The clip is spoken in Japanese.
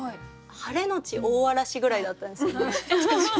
晴れのち大嵐ぐらいだったんですよね。